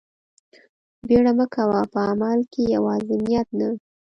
بيړه مه کوه په عمل کښې يوازې نيت نه.